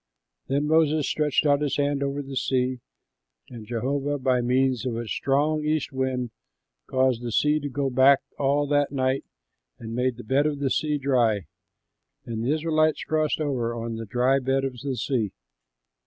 Then Moses stretched out his hand over the sea, and Jehovah by means of a strong east wind caused the sea to go back all that night and made the bed of the sea dry. And the Israelites crossed over on the dry bed of the sea.